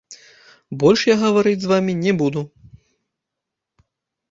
Больш я гаварыць з вамі не буду.